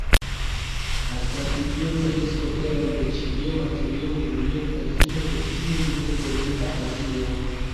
La strategio celis konkeron de Ĉinio, Manĉurio, Mongolio kaj fine tiun de orienta Azio.